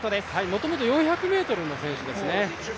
もともと４００ｍの選手ですね。